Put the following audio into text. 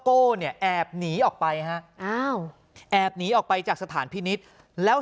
โก้เนี่ยแอบหนีออกไปฮะอ้าวแอบหนีออกไปจากสถานพินิษฐ์แล้ว